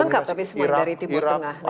lengkap tapi semua dari timur tengah